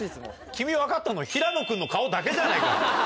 君分かったの平野君の顔だけじゃないか。